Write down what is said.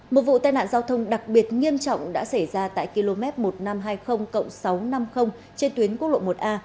một vụ tai nạn giao thông đặc biệt nghiêm trọng đã xảy ra tại km một nghìn năm trăm hai mươi sáu trăm năm mươi trên tuyến quốc lộ một a